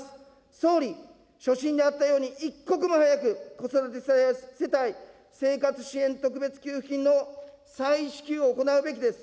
総理、所信であったように、一刻も早く子育て世帯生活支援特別給付金の再支給を行うべきです。